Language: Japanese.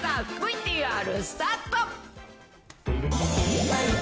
ＶＴＲスタート。